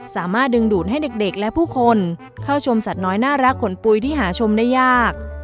สามารถดึงดูดให้เด็กและผู้คนเข้าชมสัตว์น้อยน่ารักขนปุ๋ยที่หาชมได้ยาก